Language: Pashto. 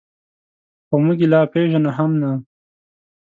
خو موږ یې لا پېژنو هم نه.